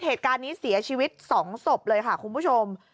เหตุการณ์นี้เสียชีวิต๒ศพเลยค่ะคุณผู้ชม